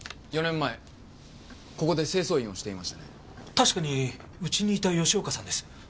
確かにうちにいた吉岡さんです。